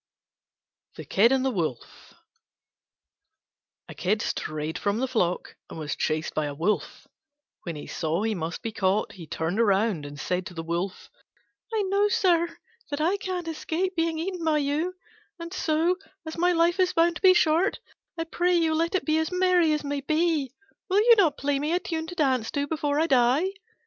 THE KID AND THE WOLF A Kid strayed from the flock and was chased by a Wolf. When he saw he must be caught he turned round and said to the Wolf, "I know, sir, that I can't escape being eaten by you: and so, as my life is bound to be short, I pray you let it be as merry as may be. Will you not play me a tune to dance to before I die?"